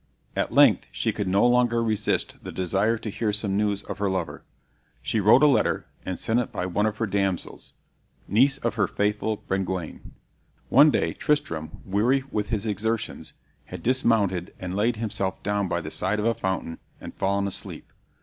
At length she could no longer resist the desire to hear some news of her lover. She wrote a letter, and sent it by one of her damsels, niece of her faithful Brengwain. One day Tristram, weary with his exertions, had dismounted and laid himself down by the side of a fountain and fallen asleep.